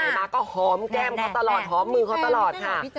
มาก็หอมแก้มเขาตลอดหอมมือเขาตลอดค่ะ